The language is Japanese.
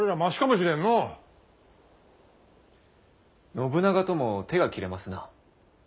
信長とも手が切れますな。